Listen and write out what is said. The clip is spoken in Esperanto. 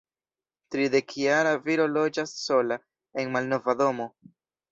Tridekjara viro loĝas sola, en malnova domo.